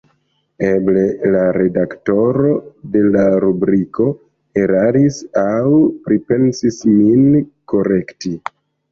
Eble la redaktoro de la rubriko eraris aŭ pripensis min korekti.